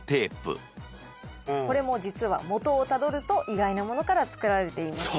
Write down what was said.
これも実はモトをタドルと意外なものから作られています。